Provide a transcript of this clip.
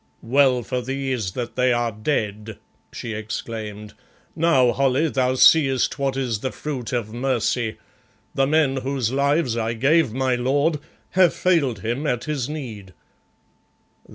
"Well for these that they are dead," she exclaimed. "Now, Holly, thou seest what is the fruit of mercy. The men whose lives I gave my lord have failed him at his need."